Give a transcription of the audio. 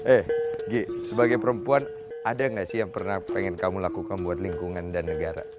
eh gi sebagai perempuan ada gak sih yang pernah pengen kamu lakukan buat lingkungan dan negara